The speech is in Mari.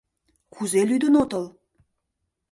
— Кузе лӱдын отыл?